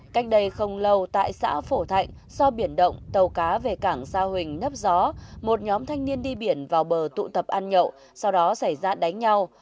cách đây không lâu tại xã phổ thạnh do biển động tàu cá về cảng sa huỳnh nấp gió một nhóm thanh niên đi biển vào bờ tụ tập ăn nhậu sau đó xảy ra đánh nhau